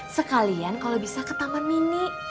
sekalian kalau bisa ke taman mini